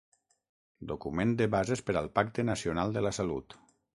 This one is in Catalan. Document de bases per al Pacte Nacional de la Salut.